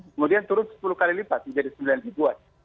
kemudian turun sepuluh kali lipat menjadi sembilan ribuan